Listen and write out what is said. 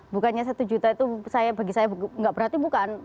bukannya satu juta itu bagi saya nggak berarti bukan